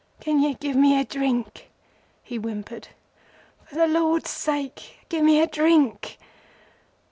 "Can you give me a drink?" he whimpered. "For the Lord's sake, give me a drink!"